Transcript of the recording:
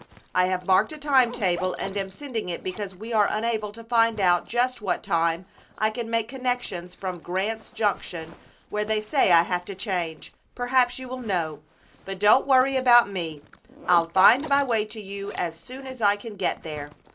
I have marked a time table and am sending it because we are unable to find out just what time I can make connections from Grant's Junction, where they say I have to change. Perhaps you will know. But don't worry about me; I'll find my way to you as soon as I can get there.